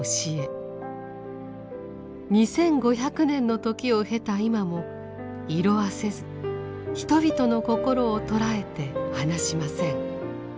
２，５００年の時を経た今も色あせず人々の心を捉えて離しません。